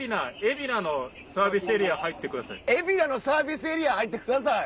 海老名のサービスエリア入ってください。